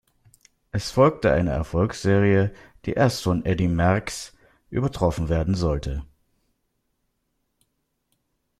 Es folgte eine Erfolgsserie, die erst von Eddy Merckx übertroffen werden sollte.